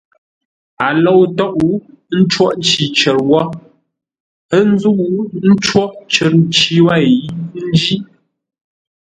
A lou tóʼ, ə́ ncóghʼ nci cər wə́, ə́ nzə́u ńcóghʼ cər nci wêi ńjí.